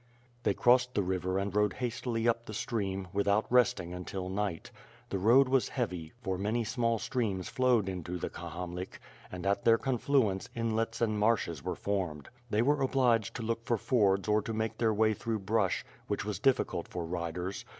They crossed the river and rode hastily up the stream, without resting until night. The road was heavy, for many small streams flowed into the Kahamlik and at their confluence inlets and marshes were formed. They were obliged to look for fords or to make their way through brush, which was difficult for riders.